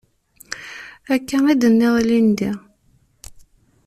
Akka i d-tenniḍ ilindi.